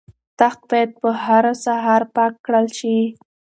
تخت باید په هره سهار پاک کړل شي.